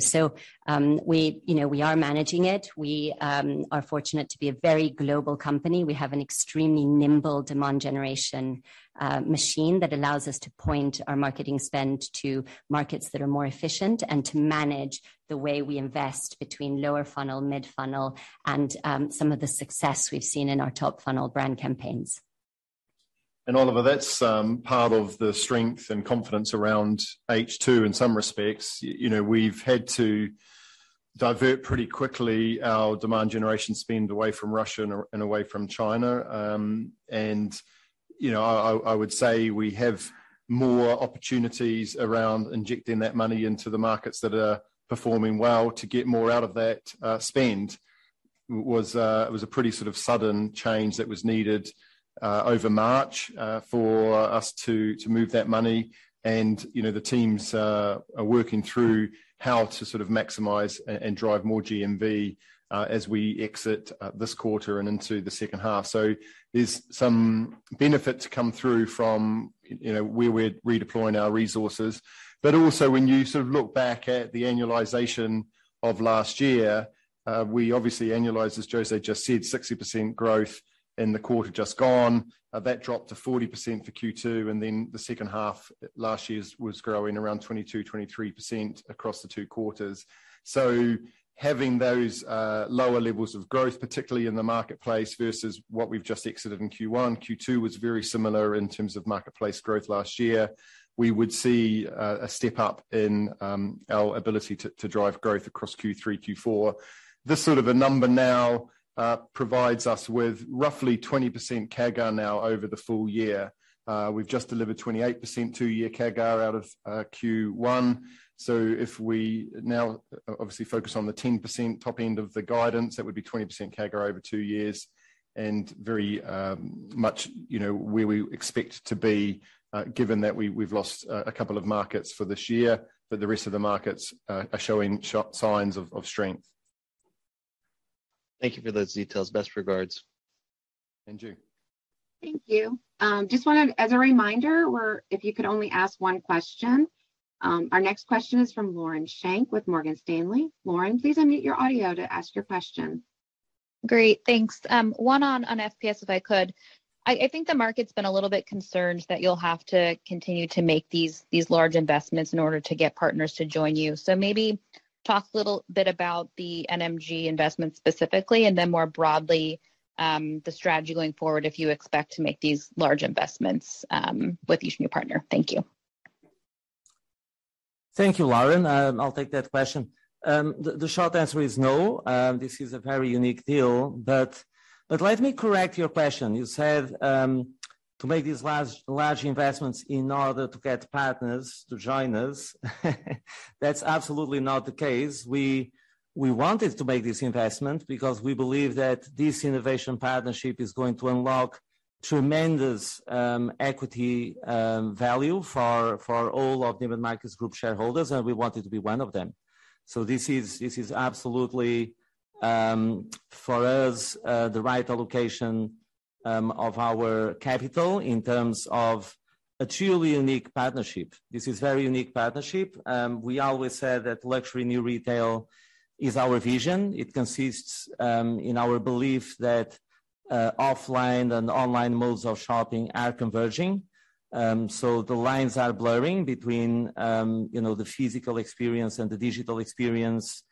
We are managing it. We are fortunate to be a very global company. We have an extremely nimble demand generation machine that allows us to point our marketing spend to markets that are more efficient and to manage the way we invest between lower funnel, mid-funnel and some of the success we've seen in our top funnel brand campaigns. Oliver, that's part of the strength and confidence around H2 in some respects. We've had to divert pretty quickly our demand generation spend away from Russia and away from China. I would say we have more opportunities around injecting that money into the markets that are performing well to get more out of that spend. It was a pretty sort of sudden change that was needed over March for us to move that money. The teams are working through how to sort of maximize and drive more GMV as we exit this quarter and into the second half. There's some benefit to come through from where we're redeploying our resources. Also when you sort of look back at the annualization of last year, we obviously annualized, as José just said, 60% growth in the quarter just gone. That dropped to 40% for Q2, and then the second half last year's was growing around 22%, 23% across the two quarters. Having those lower levels of growth, particularly in the marketplace versus what we've just exited in Q1, Q2 was very similar in terms of marketplace growth last year. We would see a step up in our ability to drive growth across Q3, Q4. This sort of a number now provides us with roughly 20% CAGR now over the full year. We've just delivered 28% two-year CAGR out of Q1. If we now obviously focus on the 10% top end of the guidance, that would be 20% CAGR over two years. Very much, you know, where we expect to be, given that we've lost a couple of markets for this year, but the rest of the markets are showing signs of strength. Thank you for those details. Best regards. Drew. Thank you. Just wanted as a reminder, if you could only ask one question. Our next question is from Lauren Schenk with Morgan Stanley. Lauren, please unmute your audio to ask your question. Great, thanks. One on FPS, if I could. I think the market's been a little bit concerned that you'll have to continue to make these large investments in order to get partners to join you. Maybe talk a little bit about the NMG investment specifically, and then more broadly, the strategy going forward if you expect to make these large investments with each new partner. Thank you. Thank you, Lauren. I'll take that question. The short answer is no. This is a very unique deal. Let me correct your question. You said to make these large investments in order to get partners to join us. That's absolutely not the case. We wanted to make this investment because we believe that this innovation partnership is going to unlock tremendous equity value for all of Neiman Marcus Group shareholders, and we wanted to be one of them. This is absolutely for us the right allocation of our capital in terms of a truly unique partnership. This is very unique partnership. We always said that luxury new retail is our vision. It consists in our belief that offline and online modes of shopping are converging. The lines are blurring between, you know, the physical experience and the digital experience.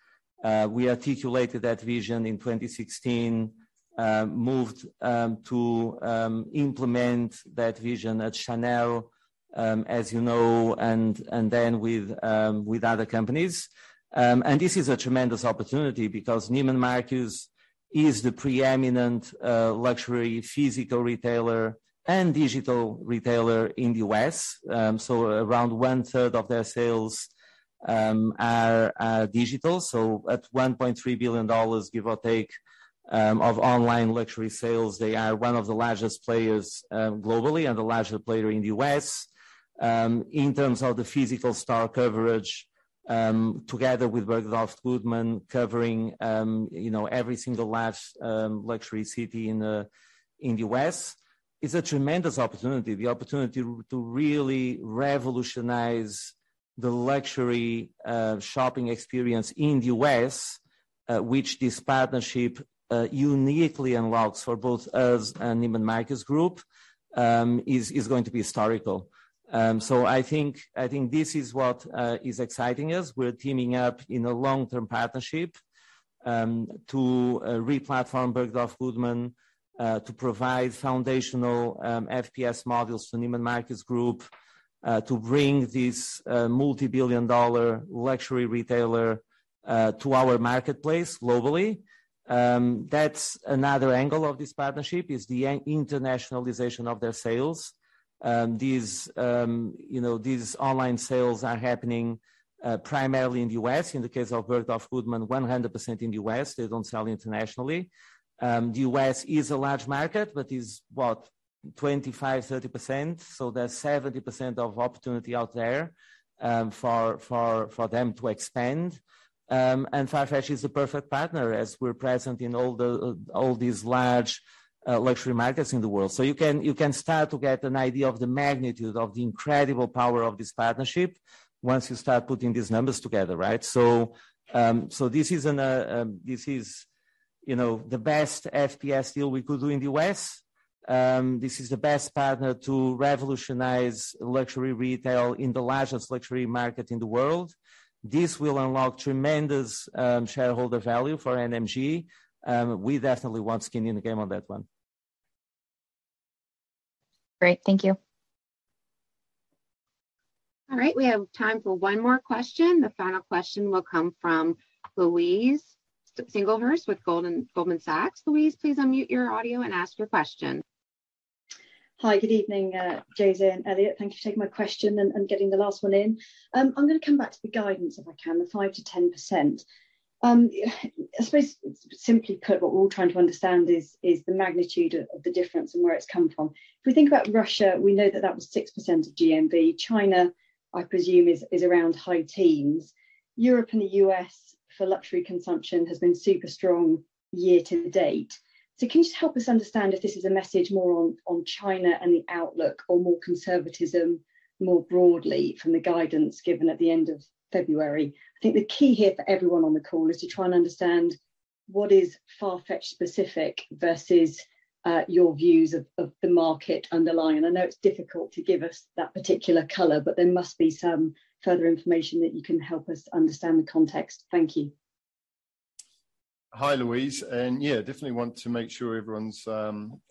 We articulated that vision in 2016, moved to implement that vision at Chanel, as you know, and then with other companies. This is a tremendous opportunity because Neiman Marcus is the preeminent luxury physical retailer and digital retailer in the U.S. Around 1/3 of their sales are digital. At $1.3 billion, give or take, of online luxury sales, they are one of the largest players globally and the largest player in the U.S. In terms of the physical store coverage, together with Bergdorf Goodman covering every single large luxury city in the U.S., it is a tremendous opportunity. The opportunity to really revolutionize the luxury, shopping experience in the U.S., which this partnership, uniquely unlocks for both us and Neiman Marcus Group, is going to be historical. This is what is exciting us. We're teaming up in a long-term partnership, to replatform Bergdorf Goodman, to provide foundational, FPS models to Neiman Marcus Group, to bring this, multi-billion dollar luxury retailer, to our marketplace globally. That's another angle of this partnership, is the internationalization of their sales. These online sales are happening, primarily in the U.S.. In the case of Bergdorf Goodman, 100% in the US. They don't sell internationally. The U.S. is a large market, but is what? 25% to 30%. There's 70% of opportunity out there, for them to expand. Farfetch is the perfect partner, as we're present in all these large luxury markets in the world. You can start to get an idea of the magnitude of the incredible power of this partnership once you start putting these numbers together, right? The best FPS deal we could do in the U.S.. This is the best partner to revolutionize luxury retail in the largest luxury market in the world. This will unlock tremendous shareholder value for NMG, and we definitely want skin in the game on that one. Great. Thank you. All right, we have time for one more question. The final question will come from Louise Singlehurst with Goldman Sachs. Louise, please unmute your audio and ask your question. Hi. Good evening, José and Elliot. Thank you for taking my question and getting the last one in. I'm gonna come back to the guidance if I can, the 5% to 10%. I suppose simply put, what we're all trying to understand is the magnitude of the difference and where it's come from. If we think about Russia, we know that was 6% of GMV. China, I presume is around high teens. Europe and the U.S. for luxury consumption has been super strong year to date. Can you just help us understand if this is a message more on China and the outlook or more conservatism more broadly from the guidance given at the end of February? I think the key here for everyone on the call is to try and understand what is Farfetch specific versus your views of the market underlying. I know it's difficult to give us that particular color, but there must be some further information that you can help us understand the context. Thank you. Hi, Louise. Yeah, definitely want to make sure everyone's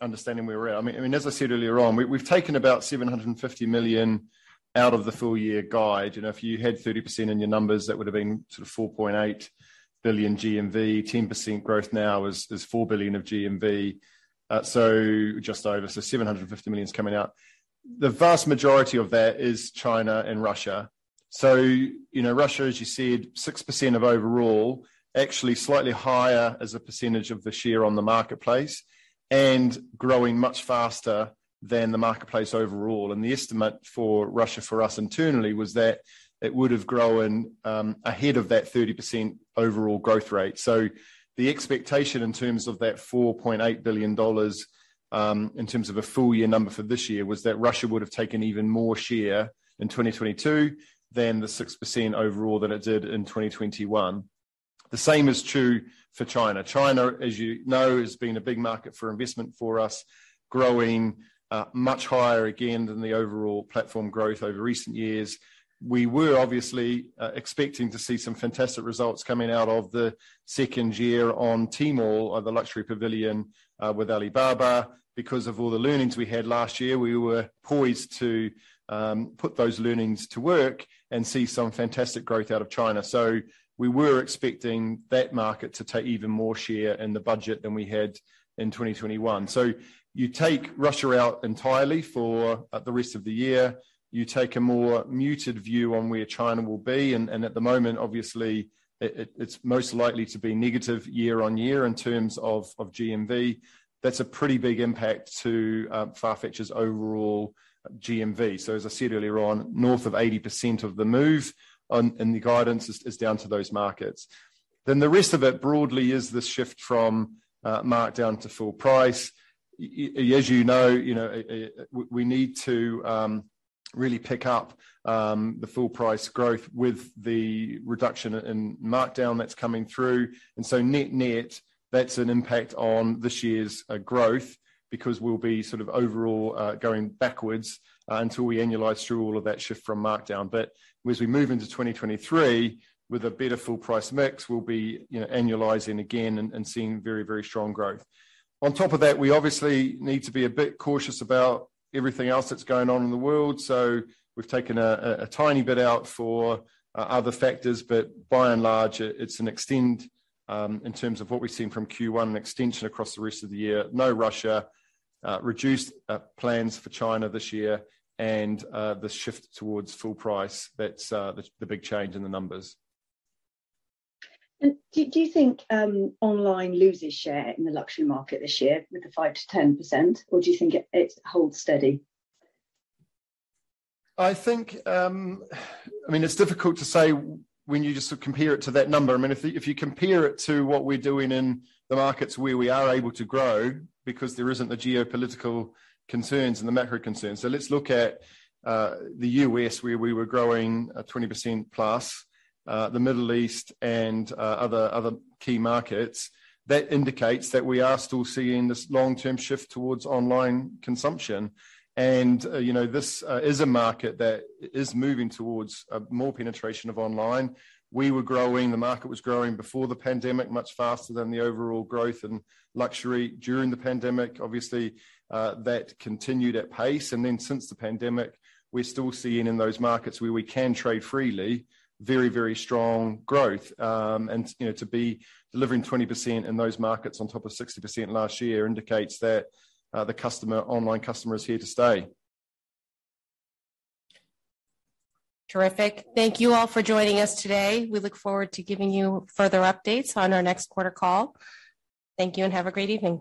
understanding where we're at. I mean, as I said earlier on, we've taken about $750 million out of the full year guide. If you had 30% in your numbers, that would've been sort of $4.8 billion GMV. 10% growth now is $4 billion of GMV. So just over, $750 million is coming out. The vast majority of that is China and Russia. Russia, as you said, 6% of overall, actually slightly higher as a percentage of the share on the marketplace and growing much faster than the marketplace overall. The estimate for Russia for us internally was that it would've grown ahead of that 30% overall growth rate. The expectation in terms of that $4.8 billion, in terms of a full year number for this year, was that Russia would've taken even more share in 2022 than the 6% overall that it did in 2021. The same is true for China. China, as you know, has been a big market for investment for us, growing much higher again than the overall platform growth over recent years. We were obviously expecting to see some fantastic results coming out of the second year on Tmall Luxury Pavilion with Alibaba. Because of all the learnings we had last year, we were poised to put those learnings to work and see some fantastic growth out of China. We were expecting that market to take even more share in the budget than we had in 2021. You take Russia out entirely for the rest of the year. You take a more muted view on where China will be, and at the moment, obviously it's most likely to be negative year-over-year in terms of GMV. That's a pretty big impact to Farfetch's overall GMV. As I said earlier on, north of 80% of the move on, and the guidance is down to those markets. The rest of it broadly is the shift from markdown to full price. As you know, you know, we need to really pick up the full price growth with the reduction in markdown that's coming through. Net-net, that's an impact on this year's growth because we'll be sort of overall going backwards until we annualize through all of that shift from markdown. As we move into 2023 with a better full price mix, we'll be, you know, annualizing again and seeing very, very strong growth. On top of that, we obviously need to be a bit cautious about everything else that's going on in the world, so we've taken a tiny bit out for other factors. By and large, it's an extension in terms of what we've seen from Q1, an extension across the rest of the year. No Russia, reduced plans for China this year and the shift towards full price. That's the big change in the numbers. Do you think online loses share in the luxury market this year with the 5% to 10%, or do you think it holds steady? I think, I mean, it's difficult to say when you just sort of compare it to that number. I mean, if you compare it to what we're doing in the markets where we are able to grow because there isn't the geopolitical concerns and the macro concerns. Let's look at the U.S., where we were growing at 20%+, the Middle East and other key markets. That indicates that we are still seeing this long-term shift towards online consumption. You know, this is a market that is moving towards more penetration of online. We were growing, the market was growing before the pandemic, much faster than the overall growth in luxury during the pandemic. Obviously, that continued at pace. Since the pandemic, we're still seeing in those markets where we can trade freely, very, very strong growth. To be delivering 20% in those markets on top of 60% last year indicates that the customer, online customer is here to stay. Terrific. Thank you all for joining us today. We look forward to giving you further updates on our next quarter call. Thank you and have a great evening.